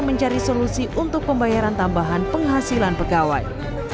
mencari solusi untuk pembayaran tambahan penghasilan pegawai